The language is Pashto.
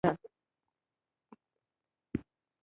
کاناډا نړۍ ته ډیر غنم لیږي.